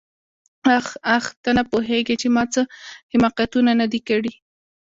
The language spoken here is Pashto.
آخ آخ ته نه پوهېږې چې ما څه حماقتونه نه دي کړي.